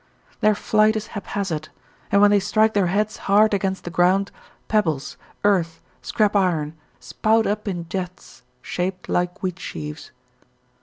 Their flight is haphazard, and when they strike their heads hard against the ground pebbles, earth, scrap iron, spout up in jets shaped like wheat sheaves.